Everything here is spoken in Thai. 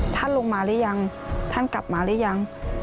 ท่านลงมาหรือยังท่านกลับมาหรือยัง